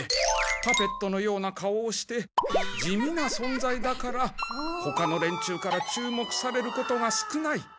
パペットのような顔をして地味な存在だからほかの連中から注目されることが少ない。